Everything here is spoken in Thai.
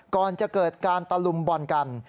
ก่อนจะเกิดการตะลุมบอลกัน